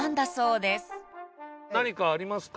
何かありますか？